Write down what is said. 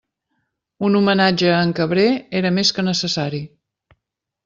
Un homenatge a en Cabré era més que necessari.